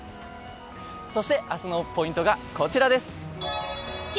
そして明日のポイントがこちらです。